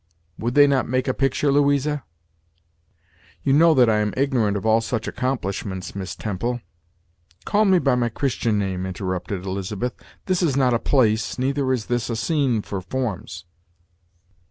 Would they not make a picture, Louisa?" "You know that I am ignorant of all such accomplishments, Miss Temple." "Call me by my Christian name," interrupted Elizabeth; "this is not a place, neither is this a scene, for forms."